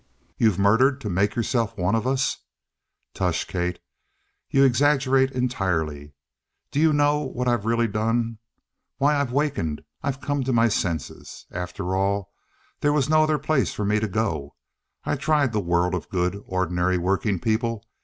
"You've murdered to make yourself one of us?" "Tush, Kate. You exaggerate entirely. Do you know what I've really done? Why, I've wakened; I've come to my senses. After all, there was no other place for me to go. I tried the world of good, ordinary working people.